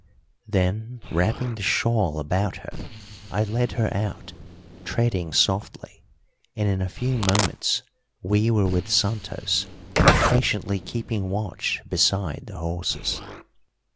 Then, wrapping the shawl about her, I led her out, treading softly, and in a few moments we were with Santos, patiently keeping watch beside the horses.